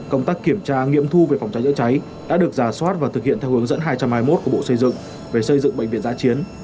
công tác kiểm tra nghiệm thu về phòng cháy chữa cháy đã được giả soát và thực hiện theo hướng dẫn hai trăm hai mươi một của bộ xây dựng về xây dựng bệnh viện giã chiến